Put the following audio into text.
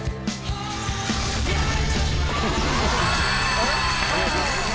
お願いします。